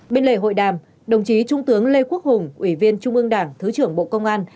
bên lề hội đàm đồng chí trung tướng lê quốc hùng ủy viên trung ương đảng thứ trưởng bộ công an